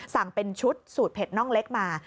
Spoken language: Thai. สั่งเป็นชุดสูตรเผ็ดน่องเล็กมา